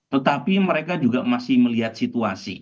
tetapi mereka juga masih melihat situasi